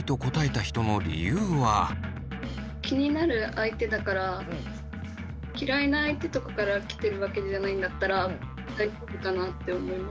一方嫌いな相手とかから来てるわけじゃないんだったら大丈夫かなって思いました。